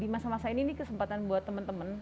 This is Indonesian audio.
di masa masa ini kesempatan buat teman teman